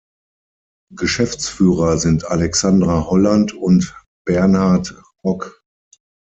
Geschäftsführer sind Alexandra Holland und Bernhard Hock.